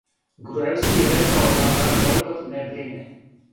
Груевски је рекао да га бојкот не брине.